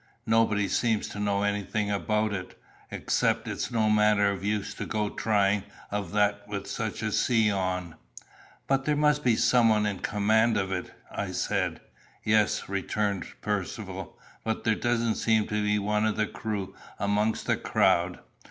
"Nobody seems to know anything about it, except 'it's no manner of use to go trying of that with such a sea on.'" "But there must be someone in command of it," I said. "Yes," returned Percivale; "but there doesn't seem to be one of the crew amongst the crowd.